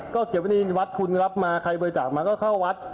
ก็เก็บไว้ในวัดคุณรับมาใครบริจาคมาก็เข้าวัด